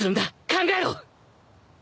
考えろ！